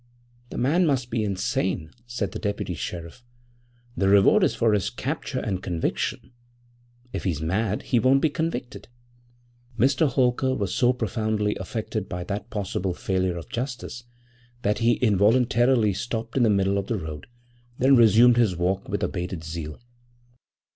'The man must be insane,' said the deputy sheriff. 'The reward is for his capture and conviction. If he's mad he won't be convicted.' Mr. Holker was so profoundly affected by that possible failure of justice that he involuntarily stopped in the middle of the road, then resumed his walk with abated zeal.